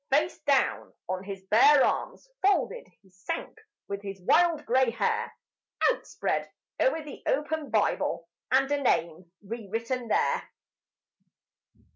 Face down on his bare arms folded he sank with his wild grey hair Outspread o'er the open Bible and a name re written there.